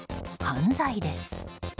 犯罪です。